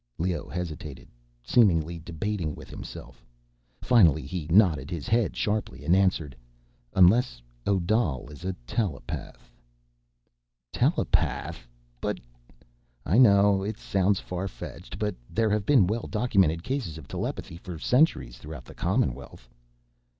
Leoh hesitated, seemingly debating with himself. Finally he nodded his head sharply, and answered, "Unless Odal is a telepath." "Telepath? But—" "I know it sounds farfetched. But there have been well documented cases of telepathy for centuries throughout the Commonwealth."